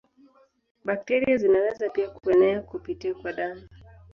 Bakteria zinaweza pia kuenea kupitia kwa damu.